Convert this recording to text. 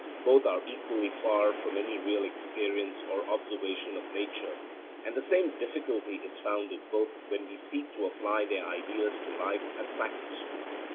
Both are equally far from any real experience or observation of nature. And the same difficulty is found in both when we seek to apply their ideas to life and practice.